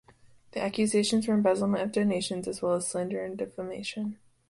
The accusations were embezzlement of donations as well as slander and defamation.